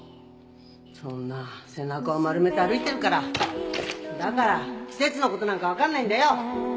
そんな背中を丸めて歩いてるからだから季節の事なんかわかんないんだよ！